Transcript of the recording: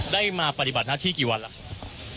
ได้มาปฏิบัติหน้าที่กี่วันแล้ว